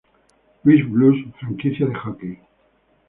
Louis Blues franquicia de hockey.